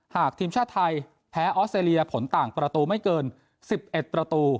หากทีมชาติไทยแพ้ออสเตรเลียผลต่างประตูไม่เกิน๑๑ประตู